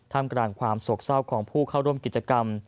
กลางกลางความโศกเศร้าของผู้เข้าร่วมกิจกรรม